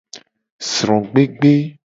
Srogbegbe.